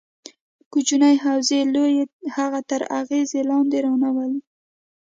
کوچنۍ حوزې لویې هغه تر اغېز لاندې رانه ولي.